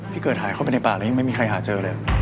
ที่เกิดหายเข้าไปในป่าแล้วยังไม่มีใครหาเจอเลย